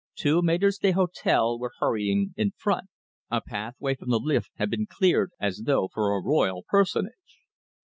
Two maitres d'hotel were hurrying in front. A pathway from the lift had been cleared as though for a royal personage.